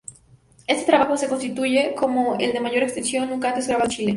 Este trabajo se constituye como el de mayor extensión nunca antes grabado en Chile.